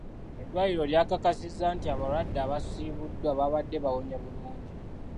Eddwaliro lya kakasizza nti abalwadde abasiibuddwa baabadde bawonye bulungi.